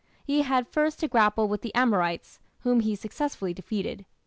He had first to grapple with the Amorites, whom he successfully defeated.